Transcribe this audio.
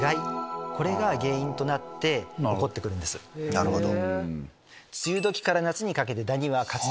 なるほど。